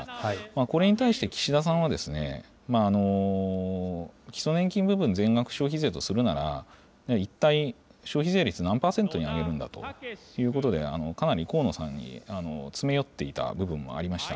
これに対して、岸田さんは、基礎年金部分全額消費税とするなら、一体、消費税率、何％に上げるんだということで、かなり河野さんに詰め寄っていた部分もありました。